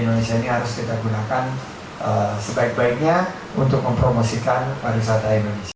indonesia ini harus kita gunakan sebaik baiknya untuk mempromosikan pariwisata indonesia